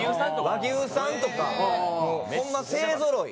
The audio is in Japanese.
和牛さんとかホンマ勢ぞろい！